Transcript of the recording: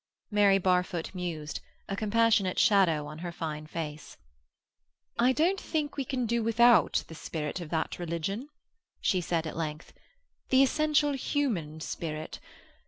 Mary Barfoot mused, a compassionate shadow on her fine face. "I don't think we can do without the spirit of that religion," she said at length—"the essential human spirit.